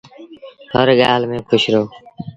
هر ڳآل ميݩ کُوش رهو